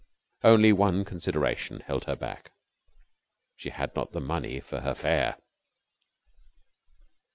Only one consideration held her back she had not the money for her fare.